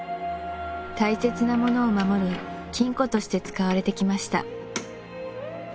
大切なものを守る金庫として使われてきました